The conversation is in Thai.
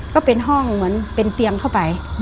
ก็เป็นห้องเหมือนเป็นเตียงเข้าไป